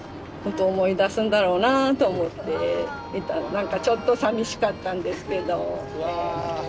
何かちょっとさみしかったんですけど。